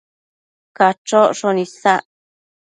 Cachocshon isac